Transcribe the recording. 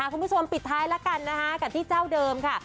คุณผู้ชมปิดท้ายแล้วกันนะคะกับที่เจ้าเดิมค่ะ